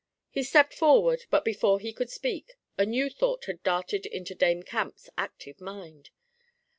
He stepped forward, but before he could speak a new thought had darted into Dame Camp's active mind.